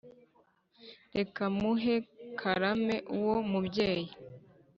reka muhe karame uwo mubyeyi